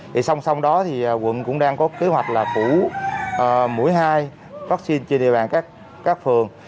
thì song song đó thì quận cũng đang có kế hoạch là phủ mũi hai vaccine trên địa bàn các phường